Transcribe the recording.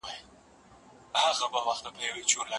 ټولنپوهنه اوس ډېري څانګي لري.